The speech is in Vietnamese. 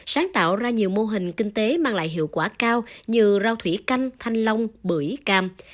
sáng tạo ra nhiều mô hình kinh tế mang lại hiệu quả cao như rau thủy canh thanh long bưởi cam